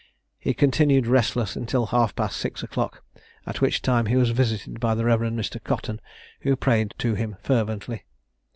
He continued restless until half past six o'clock, at which time he was visited by the Rev. Mr. Cotton, who prayed to him fervently.